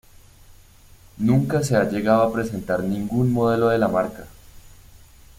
Nunca se ha llegado a presentar ningún modelo de la marca.